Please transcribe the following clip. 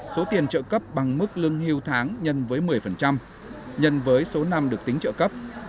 số tiền trợ cấp bằng mức lương hưu tháng nhân với một mươi nhân với số năm được tính trợ cấp